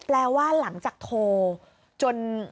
แปลว่าหลังจากโทรจน